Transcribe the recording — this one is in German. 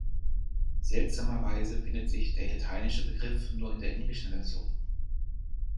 Seltsamerweise findet sich der lateinische Begriff nur in der englischen Version!